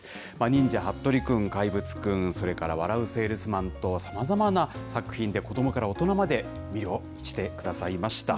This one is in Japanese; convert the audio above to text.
忍者ハットリくん、怪物くん、それから笑ゥせぇるすまんと、さまざまな作品で子どもから大人まで魅了してくださいました。